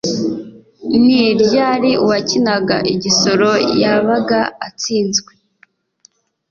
ni ryari uwakinaga igisoro yabaga atsinzwe?